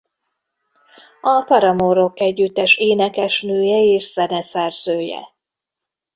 A Paramore rockegyüttes énekesnője és zeneszerzője.